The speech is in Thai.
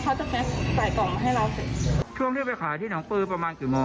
ข้อเด้นเนี่ยหนูเพิ่งจะทราบข่าวเหมือนกันหนูยังตกใจอยู่เลยก็คืออยากจะขอโทษ